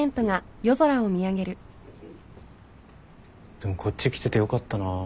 でもこっち来ててよかったなぁ。